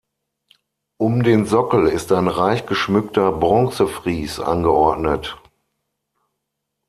Um den Sockel ist ein reich geschmückter Bronze-Fries angeordnet.